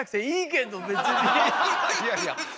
いやいや。